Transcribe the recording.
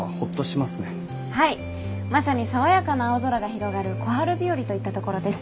はいまさに爽やかな青空が広がる小春日和といったところです。